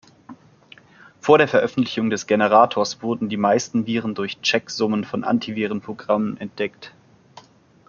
Vor der Veröffentlichung des Generators wurden die meisten Viren durch Check-Summen von Antiviren-Programmen entdeckt.